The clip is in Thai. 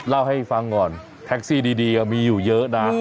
เล่าให้ฟังก่อนแท็กซี่ดีมีอยู่เยอะนะ